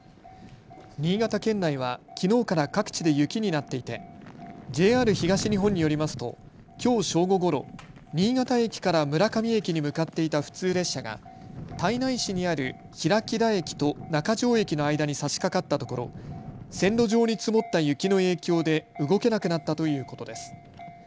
新潟県内はきのうから各地で雪になっていてＪＲ東日本によりますときょう正午ごろ新潟駅から村上駅に向かっていた普通列車が胎内市にある平木田駅と中条駅の間にさしかかったところ線路上に積もった雪の影響で動けなくなったということです。